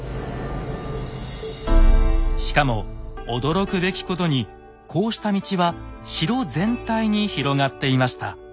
しかも驚くべきことにこうした道は城全体に広がっていました。